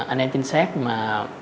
anh em chính xác mà